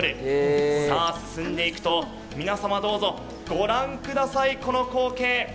さあ進んでいくと、皆様どうぞご覧ください、この光景。